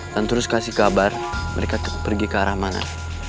dan terus kasih kabar mereka pergi ke arah mana